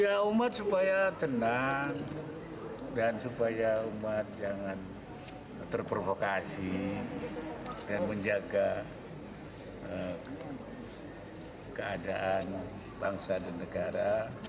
ya umat supaya tenang dan supaya umat jangan terprovokasi dan menjaga keadaan bangsa dan negara